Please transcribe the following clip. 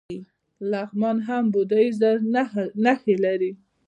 لغمان هم د بودیزم نښې لري